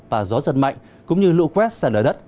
và gió giật mạnh cũng như lũ quét xả lở đất